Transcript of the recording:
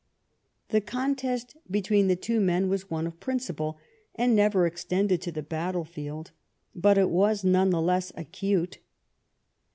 The contest between the two men was one of principle, and never extended to the battle field ; but it was none the less acute.